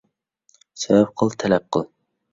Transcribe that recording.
سەۋەب قىل، تەلەپ قىل.